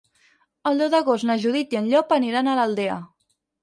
El deu d'agost na Judit i en Llop aniran a l'Aldea.